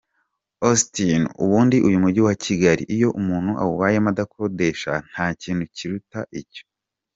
Augustin: Ubundi uyu mujyi wa Kigali iyo umuntu awubayemo adakodesha nta kintu kiruta icyo.